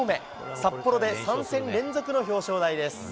札幌で３戦連続の表彰台です。